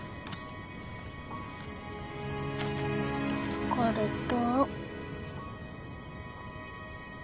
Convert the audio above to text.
疲れた。